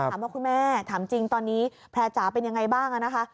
คุณแม่ถามจริงตอนนี้แพร่จ๋าเป็นยังไงบ้างนะคะ